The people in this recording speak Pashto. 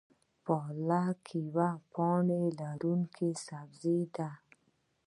پالک یوه پاڼه لرونکی سبزی ده